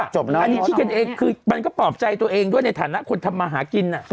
อันนี้คิดกันเองคือมันก็ปลอบใจตัวเองด้วยในฐานะคนทำมาหากิน